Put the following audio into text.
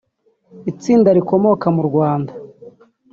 Itsinda rikomoka mu Rwanda